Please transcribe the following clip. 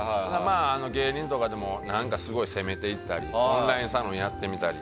芸人とかでもすごい攻めていったりオンラインサロンやってみたり。